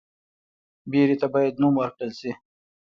ویرې ته باید نوم ورکړل شي.